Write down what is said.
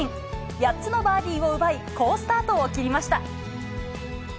８つのバーディーを奪い、好スタートを切りました。